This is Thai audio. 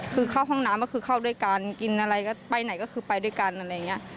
คือเข้าห้องน้ำก็คือเข้าด้วยกันกินอะไรก็ไปไหนก็คือไปด้วยกันอะไรอย่างนี้